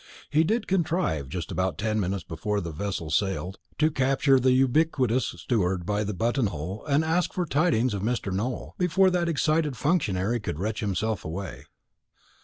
He did contrive, just about ten minutes before the vessel sailed, to capture the ubiquitous steward by the button hole, and to ask for tidings of Mr. Nowell, before that excited functionary could wrench himself away.